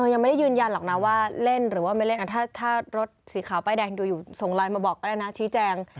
ยังไม่ได้ยืนยันหรอกนะว่าเล่นหรือว่าไม่เล่นถ้ารถสีขาวป้ายแดงดูอยู่ส่งไลน์มาบอกก็ได้นะชี้แจง